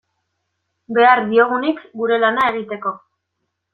Behar diogunik gure lana egiteko.